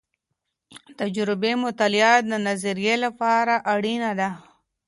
تجربي مطالعه د نظريې لپاره اړينه ده.